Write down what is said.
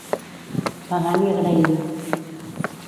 Pagant i agraint.